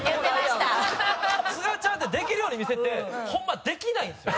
すがちゃんってできるように見せてホンマできないんですよ。